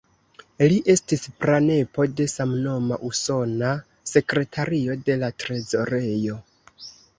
Li estis pranepo de samnoma Usona Sekretario de la Trezorejo.